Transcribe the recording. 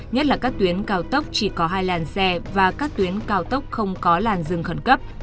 nhất là các tuyến cao tốc chỉ có hai làn xe và các tuyến cao tốc không có làn dừng khẩn cấp